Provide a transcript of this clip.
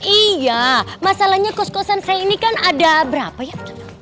iya masalahnya kos kosan saya ini kan ada berapa ya